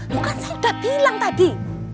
lu kan saya udah bilang tadi